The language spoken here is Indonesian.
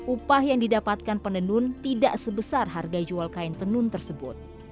upah yang didapatkan penendun tidak sebesar harga jual kain tenun tersebut